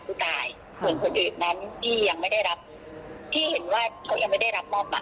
นี่ก็คงได้ดูแลทั้งหมดในที่สุดคิดไหม